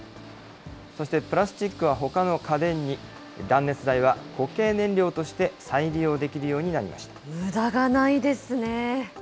そしてプラスチックは、ほかの家電に、断熱材は固形燃料として再利用できるようになりました。